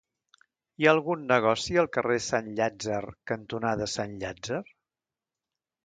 Hi ha algun negoci al carrer Sant Llàtzer cantonada Sant Llàtzer?